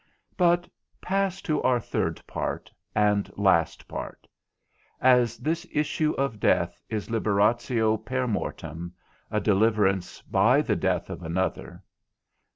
But pass to our third part and last part: As this issue of death is liberatio per mortem, a deliverance by the death of another.